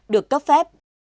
được cấp phép